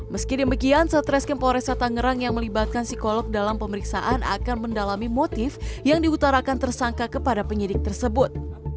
meski demikian satreskrim polresa tangerang yang melibatkan psikolog dalam pemeriksaan akan mendalami motif yang diutarakan tersangka kepada penyidik tersebut